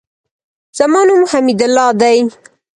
زما نوم حمیدالله دئ.